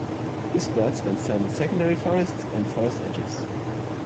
This bird spends time in secondary forests and forest edges.